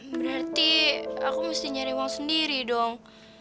berarti aku mesti nyari uang sendiri dong